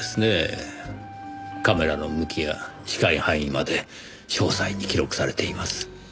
カメラの向きや視界範囲まで詳細に記録されています。